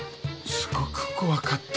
すごく怖かった。